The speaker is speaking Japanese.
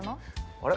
あれ？